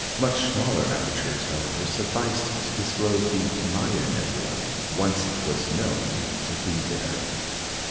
Much smaller apertures, however, sufficed to disclose the "Maia nebula," once it was known to be there.